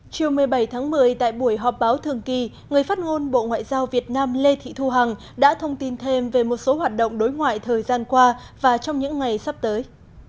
chiều một mươi bảy tháng một mươi tại buổi họp báo thường kỳ người phát ngôn bộ ngoại giao việt nam lê thị thu hằng đã thông tin thêm về một số hoạt động đối ngoại thời gian qua và trong những ngày sắp tới